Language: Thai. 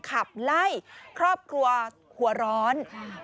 ขับไล่ครอบครัวหัวร้อน